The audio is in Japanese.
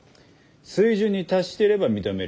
水準に達していれば認める。